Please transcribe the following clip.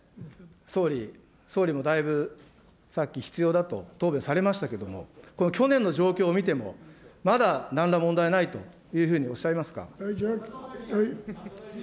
総理、総理もだいぶ、さっき必要だと答弁されましたけれども、去年の状況を見ても、まだなんら問題ないというふうにおっしゃいますか。